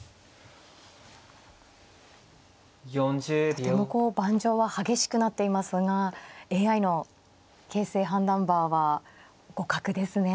とてもこう盤上は激しくなっていますがＡＩの形勢判断バーは互角ですね。